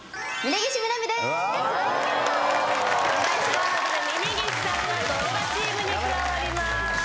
ということで峯岸さんが土ドラチームに加わります。